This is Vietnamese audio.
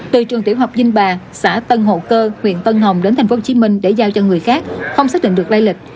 từ trường tiểu học dinh bà xã tân hậu cơ huyện tân hồng đến tp hcm để giao cho người khác không xác định được lây lịch